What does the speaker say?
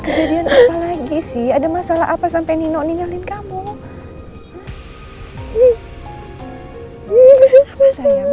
kejadian apalagi sih ada masalah apa sampai nino nyalin kamu nih hai ini apa sayang sih